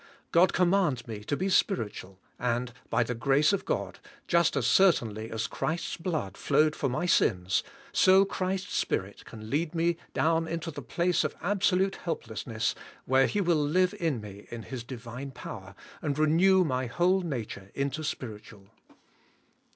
God commands me to be spiritual and by the grace of God, just as certainly as Christ's blood flowed for my sins, so Christ's Spirit can lead me down into the place of absolute helplessness where He will live in me in His Divine power, and renew my whole nature into spiritual.